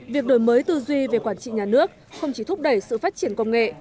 việc đổi mới tư duy về quản trị nhà nước không chỉ thúc đẩy sự phát triển công nghệ